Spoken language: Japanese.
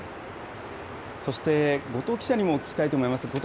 そして後藤記者にも聞きたいと思います。